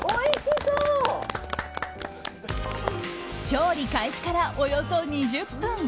調理開始から、およそ２０分。